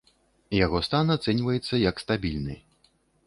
Яго стан ацэньваецца яе стабільны.